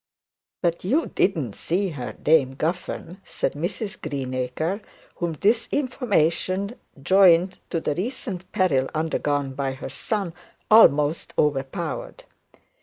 'But you didn't zee her, Dame Guffern?' said Mrs Greenacres, whom this information, joined to the recent peril undergone by her son, almost overpowered.